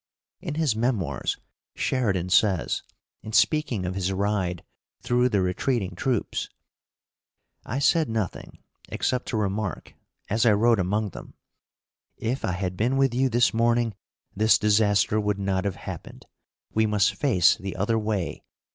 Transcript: In his memoirs, Sheridan says, in speaking of his ride through the retreating troops: "I said nothing, except to remark, as I rode among them 'If I had been with you this morning, this disaster would not have happened. We must face the other way.